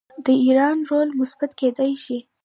د ایران رول مثبت کیدی شي.